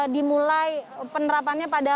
dimulai penerapannya pada